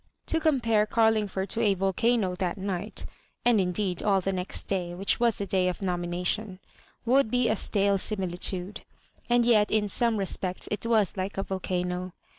To compare Carlingford to a volcano that night (and indeed all the next day, which was the day of nomination) would be a stale amilitnde ; and yet in some respects it was like a volcano.